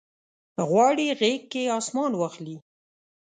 غواړي غیږ کې اسمان واخلي